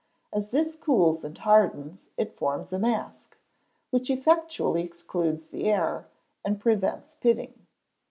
As this cools and hardens it forms a mask, which effectually excludes the air, and prevents pitting.